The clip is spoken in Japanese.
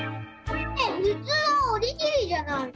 ふつうはおにぎりじゃないの？